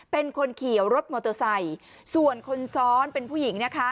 เป็นคนขี่รถมอเตอร์ไซค์ส่วนคนซ้อนเป็นผู้หญิงนะคะ